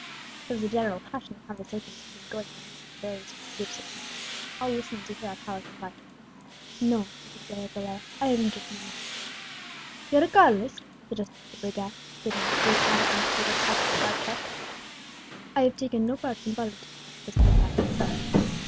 There was a general hush in the conversation which had been going on amongst the various groups of prisoners, all listening to hear Alcala's reply. "No," answered De Aguilera, "I have injured no man." "You're a Carlist?" suggested the brigand, who stood near, with his brawny arms folded across his broad chest. "I have taken no part in politics," was the reply.